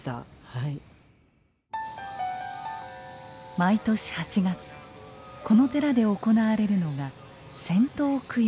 毎年８月この寺で行われるのが千灯供養。